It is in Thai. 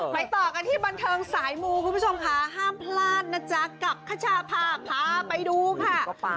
ไปต่อกันที่บันเทิงสายมูคุณผู้ชมค่ะห้ามพลาดนะจ๊ะกับขชาพาพาไปดูค่ะ